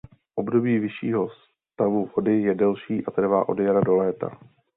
Období vyššího stavu vody je delší a trvá od jara do léta.